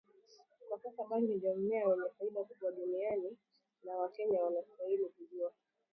Kwa sasa bangi ndio mmea wenye faida kubwa duniani na wakenya wanastahili kujua